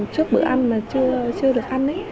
trước bữa ăn mà chưa được ăn